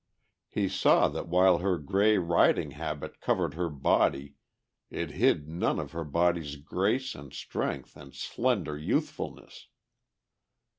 He saw that while her grey riding habit covered her body it hid none of her body's grace and strength and slender youthfulness.